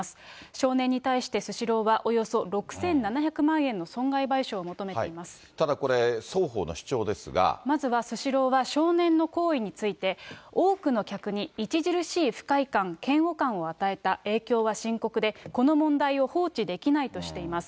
少年に対してスシローは、およそ６７００万円の損害賠償を求めてただこれ、まずはスシローは、少年の行為について、多くの客に著しい不快感、嫌悪感を与えた影響は深刻で、この問題を放置できないとしています。